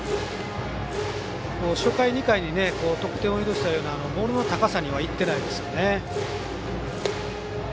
初回、２回に得点を許すといったようなボールの高さにはいってないですよね。